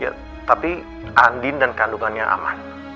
ya tapi andin dan kandungannya aman